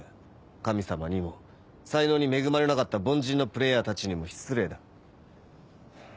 神様にも才能に恵まれなかった凡人のプレーヤーたちにも失礼だ。